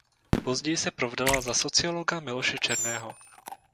Později se provdala za sociologa Miloše Černého.